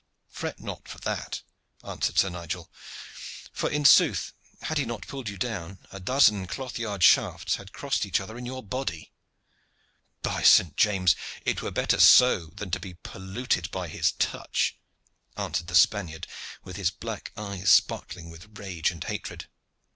"Fret not for that," answered Sir Nigel. "For, in sooth, had he not pulled you down, a dozen cloth yard shafts had crossed each other in your body." "By St. James! it were better so than to be polluted by his touch," answered the Spaniard, with his black eyes sparkling with rage and hatred.